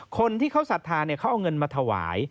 คนที่เขาศรัทธาเขาเอาเงินมาถวาย